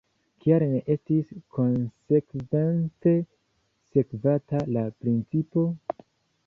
Kial ne estis konsekvence sekvata la principo?